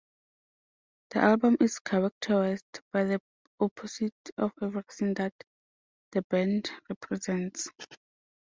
The album is characterized by the opposite of everything that the band represents.